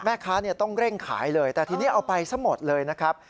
แม่ค้าต้องเร่งขายเลยแต่ทีนี้เอาไปซะหมดเลยนะครับ